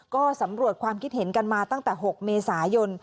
ก็สำรวจความคิดเห็นกันมาตั้งแต่๖เมษายน